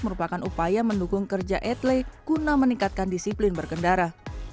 merupakan upaya mendukung kerja etele guna meningkatkan disiplin berkendara